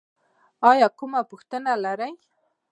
ایا کومه پوښتنه لرئ؟